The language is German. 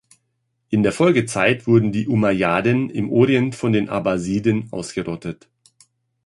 In der Folgezeit wurden die Umayyaden im Orient von den Abbasiden ausgerottet.